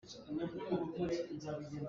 Facang phiau khat ah tangka thong nga a si.